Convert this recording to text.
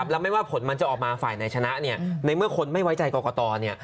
แล้วไม่ว่าผลมันจะออกมาฝ่ายไหนชนะในเมื่อคนไม่ไว้ใจกรกต